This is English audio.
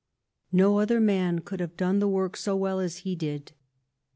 No other man could have done the work so well as he did.